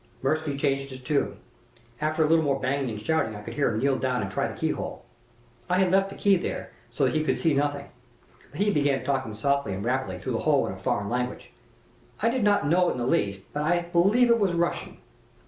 "Mirsky changed his tune. After a little more banging and shouting I could hear him kneel down and try the key hole. I had left the key there, so that he could see nothing. But he began talking softly and rapidly through the hole in a foreign language. I did not know it in the least, but I believe it was Russian.